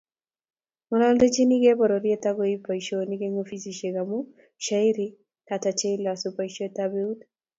Ngololndochinkei pororiet ak koib boisionik eng ofisiisek amu shairi hata cheilosu boisietab eut?